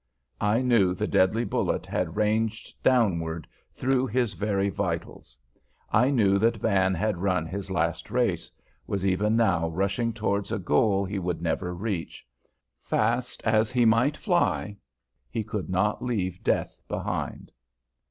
I knew the deadly bullet had ranged downward through his very vitals. I knew that Van had run his last race, was even now rushing towards a goal he would never reach. Fast as he might fly, he could not leave Death behind.